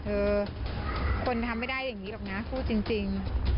คนทำไม่ได้อย่างนี้หรอกนะพูดจริง